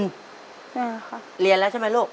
เรียนแล้วใช่ไหมลูก